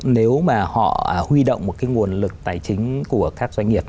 nếu mà họ huy động một cái nguồn lực tài chính của các doanh nghiệp